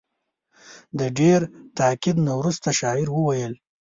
د ډېر تاکید نه وروسته شاعر وویل.